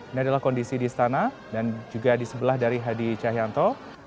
ini adalah kondisi di istana dan juga di sebelah dari hadi cahyanto